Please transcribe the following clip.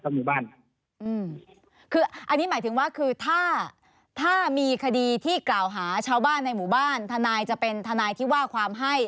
หรือถ้าถ้ามีคดีที่กล่าวหาชาวบ้านในหมู่บ้านทนายจะเป็นทนายที่ว่าความให้